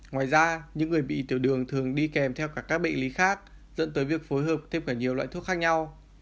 ngoài ra những người bị tiểu đường thường đi kèm theo cả các bệnh lý khác dẫn tới việc phối hợp thêm cả nhiều loại thuốc khác nhau